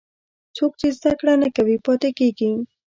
څوک چې زده کړه نه کوي، پاتې کېږي.